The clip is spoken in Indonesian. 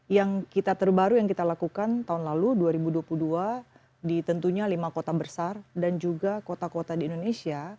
yang kita terbaru yang kita lakukan tahun lalu dua ribu dua puluh dua di tentunya lima kota besar dan juga kota kota di indonesia